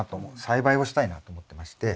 栽培をしたいなと思ってまして。